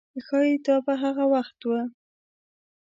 ښایي دا به هغه وخت و.